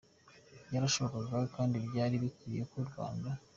Byarashobokaga kandi byari bikwiye ko u Rwanda :